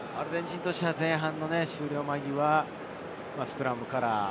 アルゼンチンは前半終了間際、スクラムから。